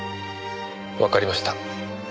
わかりました。